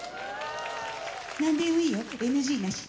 何でもいいよＮＧなし！